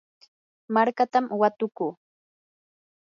markatam watukuu.